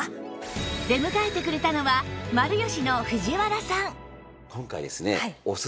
出迎えてくれたのはマルヨシの藤原さん